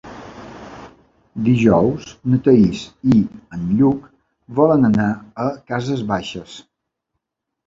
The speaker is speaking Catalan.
Dijous na Thaís i en Lluc volen anar a Cases Baixes.